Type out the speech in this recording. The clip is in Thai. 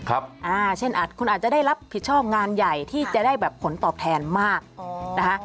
เช่นอาจคุณอาจจะได้รับผิดชอบงานใหญ่ที่จะได้แบบผลตอบแทนมากนะคะ